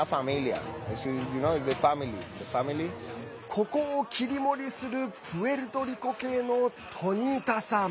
ここを切り盛りするプエルトリコ系のトニータさん